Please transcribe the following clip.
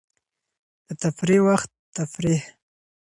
د تفریح وخت تفریح.